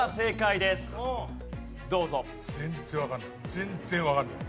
全然わかんない。